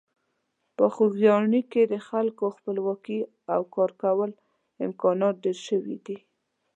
په خوږیاڼي کې د خلکو خپلواکي او کارکولو امکانات ډېر شوي دي.